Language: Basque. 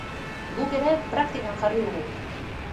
Guk ere praktikan jarri dugu!